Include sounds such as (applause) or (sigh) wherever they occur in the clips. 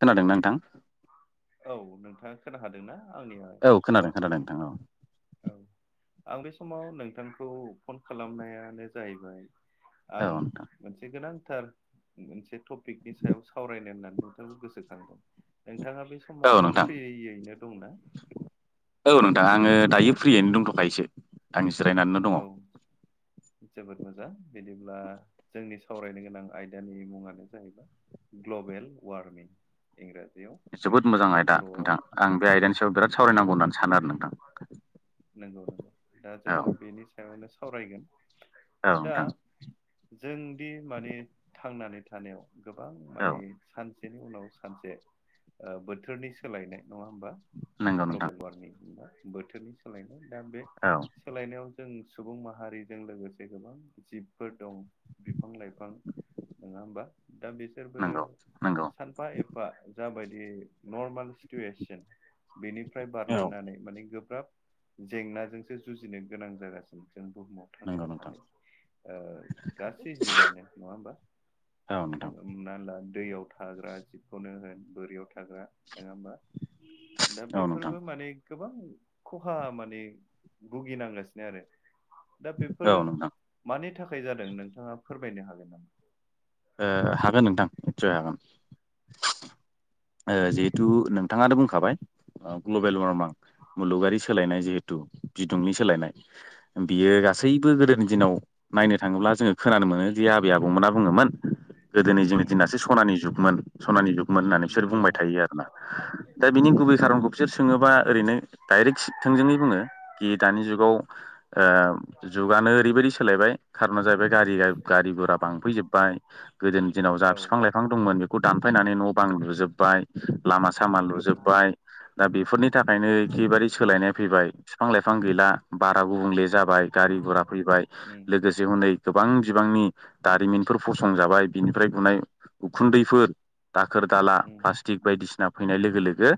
खोनादोंना नोंथां? औ नोंथांङा खोना हादोंना आंनि औ खोनादों आवाजखौ खोनादों नोंथां औ औ। आं बे समाव नोंथांखौ फन खालामनायानो जाहैबाय। औ आं नोंथां मोनसे गोनां। थार मोनसे टपिकनि सायाव सावरायनो होननानै नोंथांनि गोसो नोंथाङा बे औ समाव नोंथां फ्रियैनो दंना? औ नोंथां आङो दायो फ्रियैनो दंथ'खायोसो आंजिरायनानैनो औ दङ। जोबोद मोजां बिदिब्ला जोंनि सावरायनो गोनां आयदानि मुंङानो जाहैबाय। ग्ल'बेल वारमिं जोबोद मोजां आयदा नोंथां आं बे आयदानि सायाव बिराद नंगौ सावरायनांगौ होननानै सानो आरो नोंथां। नंगौ नंगौ दा जोङो बेनि सायावनो साव सावरायगोन औ दा नोंथां जोंदि माने थांनानै थानायाव। गोबां औ माने सानसेनि उनाव सानसे ओ बोथोरनि सोलायनाय। नङा होमबा नंगौ नोंथां ग्लबेल वारमिं होनबा बोथोरनि सोलायनाय दा बे औ सोलायनायाव। जों सुबुं माहारिजों लोगोसे गोबां जिबफोर दं बे बिफां लाइफां नङा होमबा दा बिसोरबो नंगौ नंगौ सानफा एफा जाबाय दियै नर्मेल सिटुवेसन बेनिफ्राय औ बारलांनानै माने गो बां जेंनाजोंसो जुजिनो गोनां जागासिनो जों बुहुम नंगौ थांनानै नोंथां थानाय ओ गासै जिबआनो नङा होमबा? औ सं नोंथां हमना होनला दैयाव थाग्रा जिबखौनो होन बोरियाव थाग्रा। नङा होमबा दा औ नोंथां बेफोरबो माने। गोबां खहा माने भुगिनांगासिनो आरो। दा बेफोर औ नोंथां मानि थाखाय जादों नोंथांङा फोरमायनो हागोन नामा? हागोन नोंथां निसय हागोन। ओ जिहेथु नोंथांङानो बुंखाबाय। ग्लबेल वारमां मुलुगारि सोलायनाय जिहेथु बिदुंनि सोलायनाय बियो। गासैबो गोदोनि दिनाव नायनो थांङोब्ला जोंङो खोनानो मोनो दि आबै आबौमोना बुंङोमोन। गोदोनि जोंनि उम दिनासो सनानि जुगमोन सनानि जुगमोन होननानै बिसोर नंगौ बुंबाय थायो आरोना दा बिनि गुबै। खारनखौ बिसोर सोङो बा ओरैनो डाइरेक्ट थोंजोङै बुंङो कि दानि जुगाव ओ जुगानो ओरैबायदि सोलायबाय खार'ना जाहैबाय गारिया गारि गुरा बांफैजोबबाय। गोदोनि दिनाव जा औ बिफां लाइफां दंमोन बेखौ दानफायनानै न' बां लुजोबबाय। लामा सामा नंगौ लुजोबबाय दा बेफोरनि थाखायनो एखेबारे सोलायनाय फैबाय फिफां लाइफां लाइफां गैला बारा गुबुंले जाबाय गारि गुरा फैबाय उम लोगोसे हनै। गोबां बिबांनि दारिमिनफोर फसंजाबाय बिनिफ्राय गुनाय उखुन्दैफोर दाखोर दाला उम प्लास्टिक बायदिसिना। फैनाय लोगो लोगो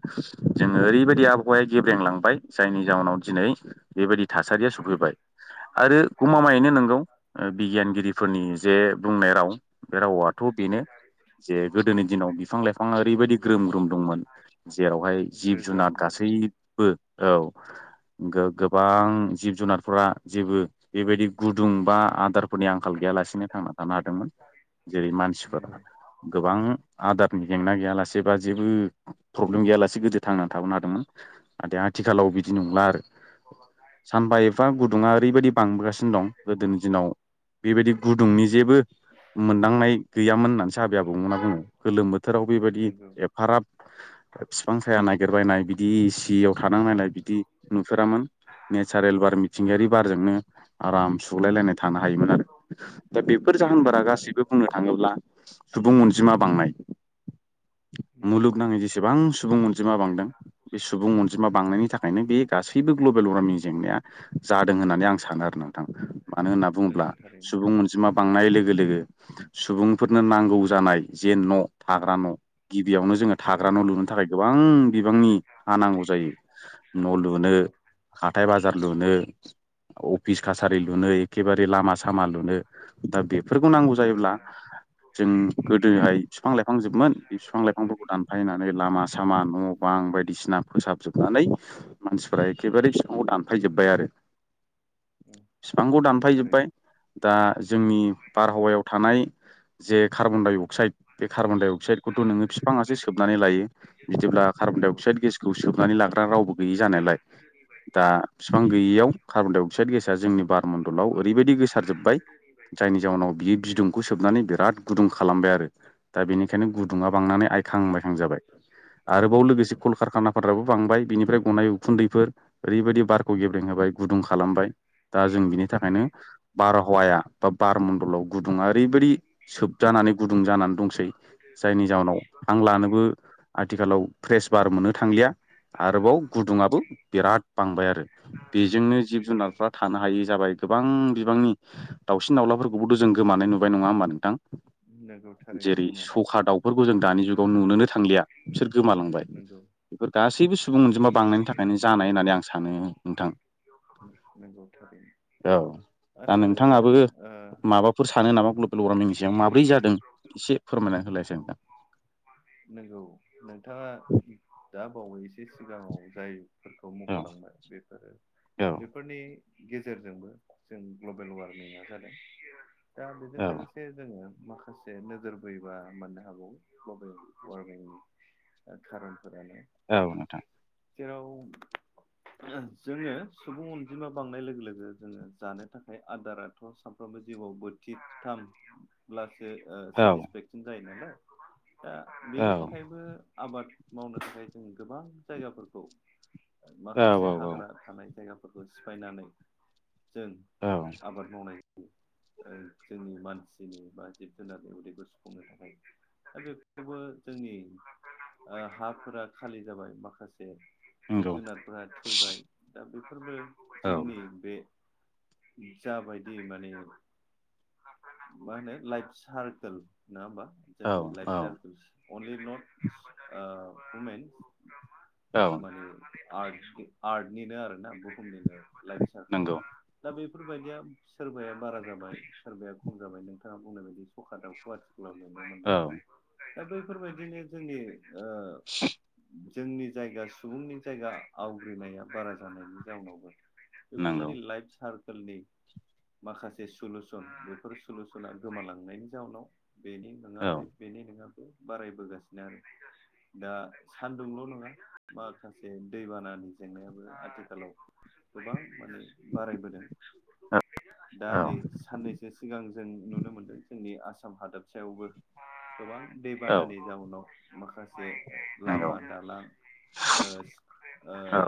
जोंङो ओरैबायदि आबहावाया गेब्रेंलांबाय जायनि जाउनाव दिनै बेबायदि। थासारिया सफैबाय आरो गमामायैनो नंगौ बिगियानगिरिफोरनि जे। बुंनाय राव बे रावथ' बेनो। जे गोदोनि दिनाव बिफां लाइफांआ ओरैबायदि ग्रोम ग्रोम दंमोन जेरावहाय जिब रोजा जुनार होननाय गासै। दंमोन गैबो औ (unintelligible) गो गोबां जिब जुनारफोरा जेबो बेबायदि गुदुं बा आदार फोरनि आंखाल गैयालासिनो थांना थानो हादोंमोन जेरै मानसिफोरा नंगौ गोबां आदार। जेंना गैयालासेबा जेबो। प्रब्लेम गैयालासे गोदो थांनानै थाबोनो हादोंमोन नाथाय आथिखालाव बिदि नंला आरो। (inaudible) सानबा एफा गुदुंङा ओरैबायदि बांबोगासिनो दं गोदोनि दिनाव बेबायदि गुदुंनि बो मोनदांनाय गैयामोन होननानैसो आबै आबौमोनहा बुङो। गोलोम बोथोराव बेबायदि नंगौ एफाराब बिफां साया नागिरबायनाय बिदि दैयाव औ थानांनायलाय बिदि नुफेरामोन नेचारेल बार मिथिंगायारि बारजोंनो आराम सुलायलायनाय थानो हायोमोन आरो दा बेफोर नंगौ जाहोनफोरा गासैबो थारैनो बुंनो थाङोब्ला सुबुं अनजिमा बांनाय- (inaudible) मुलुगनाङै जेसेबां सुबुं अनजिमा बांदों बे सुबुं अनजिमा बांनायनि थाखायनो बे गासैबो ग्ल' (unintelligible) जादों होननानै आं सानो आरो नोंथां मानो होनना नंगौ बुङोब्ला थारैनो सुबुं अन नाय लोगो लोगो सुबुंफोरनो नांगौ जानाय जे न' थाग्रा न'। गिबियावनो जोङो थाग्रा न' लुनो थाखाय गोबां बिबांनि हा नांगौ जायो न' लुनो नंगौ हाथाय बाजार लुनो अफिस कासारि लुनो एखेबारे लामा सामा लुनो। दा बेफोरखौ नांगौ नंगौ जायोब्ला थारैनो जों गोदोहाय बिफां लाइफां जोबमोन बे बिफां लाइफांफोरखौ दानफायनानै लामा सामा न' बां बायदि बायदिसिना फोसाबजोबनानै मानसिफोरा एखेबारे बिफांखौ दानफायजोब्बाय आरो। उम बिफांखौ नंगौ दानफायजोब्बाय थारैनो दा जोंनि बारहावायाव थानाय जे कार्बनडाइ अक्साइड बे कार्बनडाइ अक्साइड खथ' नोङो बिफांआसो सोबनानै लायो बिदिब्ला कार्बन डाइ नंगौ अक्साइड गेसखौ सोबनानै लाग्रा रावबो गैयि जानायलाय लाय दा फिफां गैयियाव कार्बन डाइ अक्साइड गेसा जोंनि बारमणडलाव ओरैबायदि गोसारजोब्बाय जायनि जाउनाव बियो बिदुंखौ सोबनानै बिराद गुदुं खालामबाय आरो दा बिनि बेखायनो नंगौ गुदुङा बांनानै आइखां बायखां जाबाय आरोबाव लोगोसे नंगौ कलकारखाना फोराबो बांबाय बिनिफ्राय गनाय उखुन्दैफोर ओरैबायदि बारखौ गेब्रें होबाय गुदुं खालामबाय दा जों बिनि थाखायनो बारहावाया बा बारमण्डलाव गुदुङा ओरैबायदि सोबजानानै गुदुं जानानै दंसै जायनि जाहोनाव हां लानोबो आथिखालाव फ्रेस बार मोननो थांलिया। आरोबाव गुदुङाबो बिराद बांबाय आरो बेजोंनो जिब नंगौ जुनारफ्रा थानो हायि जाबाय। गोबां बिबांनि दाउसिन दाउलाफोरखौबोथ' जों गोमानाय नुबाय नङा होमबा नोंथां? उ जेरै सखा दाउफोरखौ जों दानि जुगाव नुनोनो थांलिया बिसोर गोमालांबाय। नंगौ बेफोर गासैबो सुबुं अनजिमा बांनायनि थाखायनो जानाय होननानै आं सानो नोंथां। औ दा आतसा नोंथां नोंथाङाबो ओ माबाफोर सानो नामा? (unintelligible) सायाव माब्रै जादों एसे फोरमायना होलायसाय नोंथां? नंगौ नोंथाङा दा बावैस सो सिगाङाव जायफोरखौ औ मख'लांबाय बेफोरो औ बेफोरनि गेजेरजोंबो जों ग्लोबेल वार्मिं जादों दा बेजों औ लोगोसे जोङो माखासे नोजोर बोयोबा मोननो हागौ ग्लोबेल वार्मिंनि ओ खारनफोरानो औ नोंथां जेराव जों जोङो सुबुं अनजिमा बांनाय लोगो लोगो जोङो जानो थाखाय आदाराथ' सामफ्राम बो जिउआव बोथिथामब्लासो ओ औ सेटिसफेकसन जायो नालाय दा औ बेनि थाखायबो आबाद मावनो थाखाय जों गोबां जायगाफोरखौ औ माखासे औ औ हाग्रा थानाय जायगाफोरखौ सिफायनानै जों औ आबाद मावनाय ओ जोंनि मानसि मानसिनि बा जिब जुनारनि उदैखौ सुफुंनो थाखाय दा बेफोरबो जोंनि ओ हाफोरा खालि जाबाय माखासे से जिब नंगौ जुनारफोरा थैबाय दा बेफोरबो औ जोंनि बे जाबायदि माने मा होनो लाइफ सारकोल नङा होमबा औ जोंनि औ लाइफ सारकोलस। अनलि नटस ओ वमेनस माने आर्ट आर्टनिनो आरोना बुहुमनिनो लाइफ सारकोल नंगौ दा बे बेफोरबायदिया सोरबाया बारा जाबाय सोरबाया खम जाबाय नोंथाङा बुंनाय बायदि सका दावथु आथि खालाव नुनो मोनला औ दा बैफोरबायदिनो जोंनि ओ जोंनि जायगा सुबुंनि जायगा आवग्रिनाया बारा जानायनि जाउनावबो नंगौ बेफोरबायदि लाइफ सारकोलनि माखासे सलुसन बे बेफोर सलुसना गोमालांनायनि जाउनाव बेनि नङा औ बे बेनि नङा बारायबोगासिनो आरो। दा सान्दुंल' नङा माखासे दैबानानि जेंनायाबो आथिखालाव गोबां माने बारायबोदों दा औ नै साननैसो सिगां जों नुनो मोनदों। जोंनि आसाम हादबसायावबो गोबां औ दैबानानि जाउनाव माखासे नंगौ लामा, दालां ओ ओ औ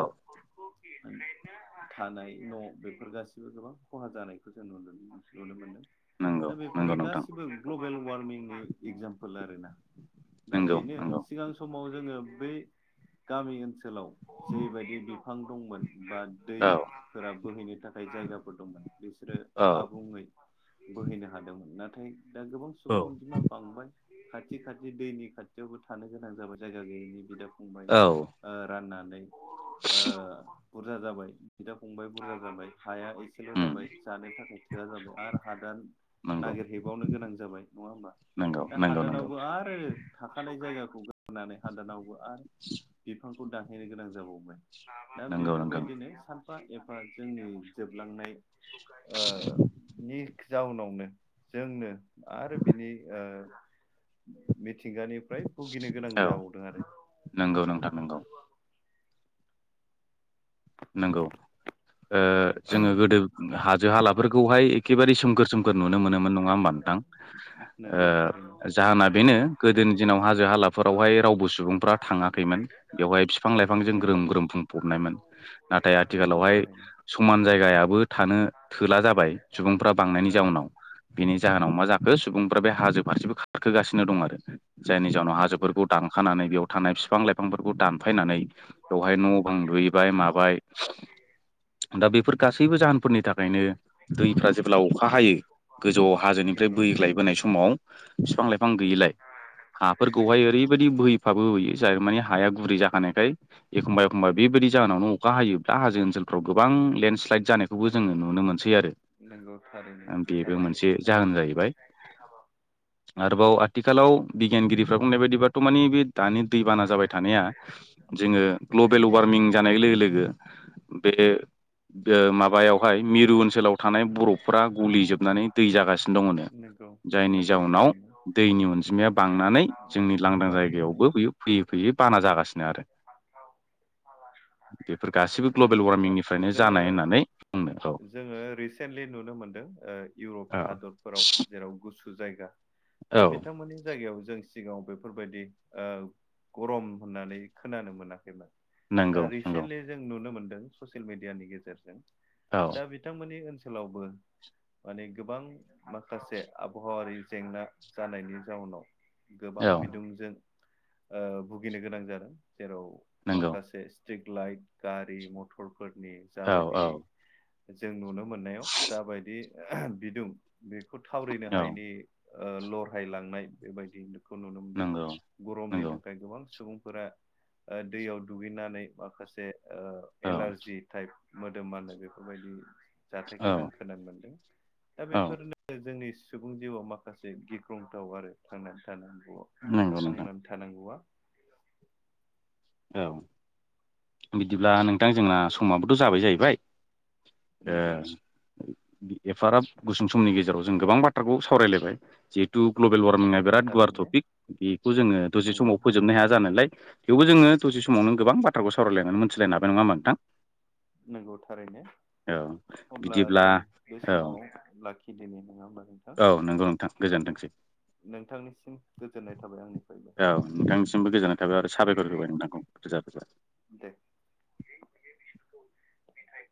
थानाय न' बेफोर गाससिबो गोबां खहा जानायखौ जों नुनो मोनो नुनो मोनदों नंगौ दा बेफोरो नंगौ नोंथां गासिबो ग्लबेल वारमिंनि एगजामपोल आरो ना दा नंगौ बेनो नंगौ सिगां समाव जोङो बै गामि ओनसोलाव जेबायदि बिफां दंमोन। बा औ दैफोरा बोहैनो थाखाय जायगाफोर दंमोन। बिसोरो औ आबुङै बोहैनो हादोंमोन। नाथाय दा गोबां औ सुबुं अनजिमा बांबाय। खाथि खाथि दैनि खाथियावबो थानो गोनां जाबाय जायगा गैयैनि बिदाब फंबाय औ ओ राननानै ओ बुरजा जाबाय बिदा फंबाय बुरजा जाबाय हाया एसेल' जाबाय जानो थाखाय थोआ जाबाय। आरो हादान नंगौ नागिरहैबावनो गोनां जाबाय नङा होमबा नंगौ दा नंगौ नंगौ हादानावबो आरो थाखानाय जायगा गानै हादानावबो आरो बिफांखौ दानहैनो गोनां जाबावबाय। दा नंगौ नंगौ बेफोरबायदिनो सानफा एफा जोंनि जोबलांनाय ओ थिग जाउनावनो जोंनो आरो बिनि ओ मिथ मिथिंगानिफ्राय भुगिनो गोनां औ जाबावदों आरो। नंगौ नोंथां नंगौ। नोंगौ, ओ जोङो गोदो हाजो हालाफोरखौहाय एखेबारे सोमखोर सोमखोर नुनो मोनोमोन नङा होमबा नोंथां? ओ नोंगौ थारैनो। जाहोना बेनो गोदोनि दिनाव हाजो हालाफोरावहाय रावबो सुबुंफ्रा थाङाखैमोन। बेवहाय बिफां लाइफांजों नोंगौ। ग्रोम ग्रोम बुंफबनायमोन। नाथाय नोंगौ आथिखालावहाय थारैनो समान जायगायाबो थानो थोला जाबाय सुबुंफ्रा बां नोंगौ जाउनाव बिनि जाहोनाव मा जाखो सुबुंफ्रा बे हाजो फारसेबो खारखोगासिनो दं आरो। जायनि जाउनाव नोंगौ हाजोफोरखौ दानखानानै बेयाव थानाय बिफां लाइफांफोरखौ दान फायनानै बेवहाय न' बां लुहैबाय माबाय। दा बेफोर गासैबो जाहोनफोरनि थाख ओमफ्रायनो दैफ्रा जेब्ला अखा हायो गोजौ हाजोनिफ्राय नोंगौ बोग्लायबोनाय समाव फां लाइफां नोंगौ गैयैलाय हाफोरखौहाय ओरैबायदि बोहै फाबोय जाय मानि हाया गुरै जाखानायखाय एखमबा एखमबा बेबायदि जाहोनावनो अखा हायोयोब्ला हो ओनोलफ्राव गोबां लेन्डस फ्लाइट जानायखौबो नों जोङो नुनो मोनसै आरो। नोंगौ थारैनो बेबो थारैनो मोनसे नोंथां। जाहोन जाहैबाय (unintelligible) आरोबाव आथिखालाव बिगियानगिरिफ्रा बुंनाय बायदिबाथ' मानिे बे दानि दैबाना जाबाय थानाया जोङो ग्लबेल वार्मिं जानाय लोगो लोगो बे ओ माबायावहाय मिरु ओनसोलाव थानाय बरफफोरा गलि जोबनानै दै जागासिनो दंङोनो। नोंगौ जायनि नोंगौ जाउनाव थारैनो दैनि अनजिमाया बांनानै जोंनि लांदां बांनानै जायगायावबो बि फैयै फैयै बाना जागासिनो आरो बेफोर गासिबो ग्लबेल नंगौ नोंथां वार्मिंनिफ्रायनो जोङो जानाय होननानै बुंनो जोङो रिसेन्टलि नुनो मोनदों इउरप औ हादरफोराव जेराव गुसु जायगा दा औ बिथांमोननि जायगायाव जों सिगाङाव बेफोरबायदि ओ गरम होननानै खोनानो मोनाखैमोन दा नंगौ नंगौ रिसेन्टलि जों नुनो मोनदों ससियेल मिडियानि गेजेरजों औ दा बिथांमोननि ओनसोलावबो माने गोबां माखासे आबहावारि जेंना जानायनि जाउनाव गोबां औ बिदुंजों ओ भुगिनो गोनां जादों जेराव नंगौ माखासे स्ट्रिक लाइट गारि मथरफोरनि औ जाबायदि औ जों नुनो मोननायाव जाबायदि ओह बिदुं बेखौ थावरिनो औ हायैनि लरहायलांनाय बेबायदिखौ नुनो मोनदों नंगौ गरमनि नंगौ थाखाय गोबां सुबुं फोरा दैयाव दुगैनानै माखासे ओ औ एलारजि टाइप मोदोमबानो बेफोरबायदि जाथायखौ औ जों खोनानो मोनदों। दा औ बेफोरनो जोंनि सुबुं जिउआव माखासे गिख्रुंथाव आरो थांनानै थानांगौ नंगौ नोंथां थांनानै थानांगौआ औ (inaudible) बिदिब्ला नोंथां जोंना समाबोथ' जाबाय जाहैबाय। ओ नंगौ एफाराब गुसुं समनि गेजेराव जों गोबां बाथ्राखौ सावरायलायबाय जिहेथु ग्लबेल वार्मिंआ नंगौ बिराद गुवार थारैनो टपिक बेखौ जोङो दसे नंगौ समाव फोजोबनो हाया जानायालाय थेवबो जोङो दसे समावनो गोबां बाथ्राखौ सावरायलायनानै मोनथिलायनो हाबाय नङाहोमबा नोंथां? नंगौ थारैनो औ अब्ला बिदिब्ला जों बे औ समाव लाखि (unintelligible) औ नंगौ नोंथां गोजोनथोंसै। नोंथांनिसिम गोजोननाय थाबाय आंनिफ्रायबो (inaudible) औ नोंथांसिमबो गोजोननाय थाबाय आरो साबायखर होबाय नोंथांखौ रोजा रोजा। दे (inaudible)